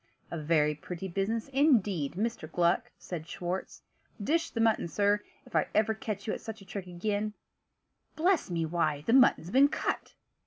"A very pretty business, indeed, Mr. Gluck!" said Schwartz. "Dish the mutton, sir. If ever I catch you at such a trick again bless me, why, the mutton's been cut!"